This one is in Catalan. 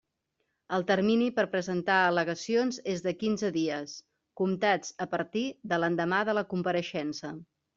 El termini per presentar al·legacions és de quinze dies, comptats a partir de l'endemà de la compareixença.